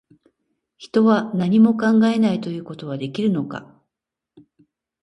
人は、何も考えないということはできるのか